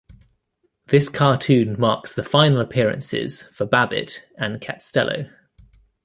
This cartoon marks the final appearances for Babbit and Catstello.